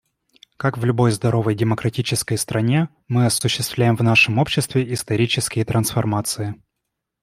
Как в любой здоровой демократической стране, мы осуществляем в нашем обществе исторические трансформации.